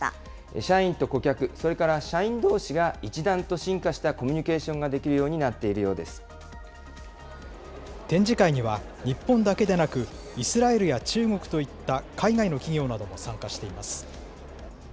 社員と顧客、それから社員どうしが一段と進化したコミュニケーションができるようになってい展示会には日本だけでなく、イスラエルや中国といった海外の企業なども参加しています。